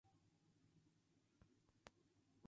Existen varios tipos de latencia en las memorias.